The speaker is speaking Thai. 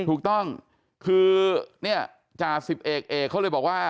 ถูกต้องคือเนี่ยจ่าสิบเอกเอกเขาเลยบอกว่า